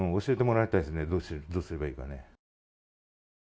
教えてもらいたいですね、どうすればいいかね。